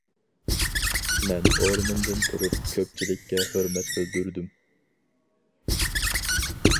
مەن ئورنۇمدىن تۇرۇپ كۆپچىلىككە ھۆرمەت بىلدۈردۈم.